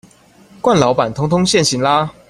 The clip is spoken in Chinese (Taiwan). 慣老闆通通現形啦